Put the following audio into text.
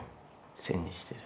線にしてる。